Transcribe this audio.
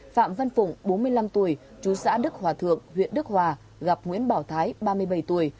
phạm văn phụng bốn mươi năm tuổi chú xã đức hòa thượng huyện đức hòa gặp nguyễn bảo thái ba mươi bảy tuổi